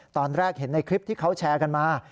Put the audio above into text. ตอนแรกเห็นในคลิปที่เขาแชร์กันมา